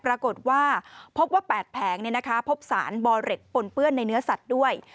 ปรากฏว่าพบว่า๘แผงพบสารบอเร็ดปนเปื้อนในเนื้อสัตว์ด้วย